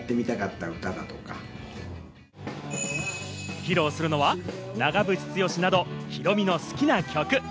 披露するのは、長渕剛など、ヒロミの好きな曲。